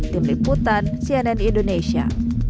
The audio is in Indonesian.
tim liputan cnn indonesia